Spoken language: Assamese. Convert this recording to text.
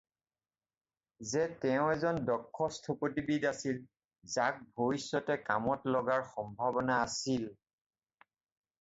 যে তেওঁ এজন দক্ষ স্থপতিবিদ আছিল যাক ভৱিষ্যতে কামত লগাৰ সম্ভাৱনা আছিল।